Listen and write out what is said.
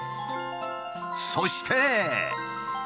そして。